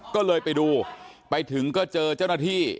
ก็เลยไปดูไปถึงก็เจอเจ้าหน้าที่